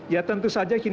ya tentu saja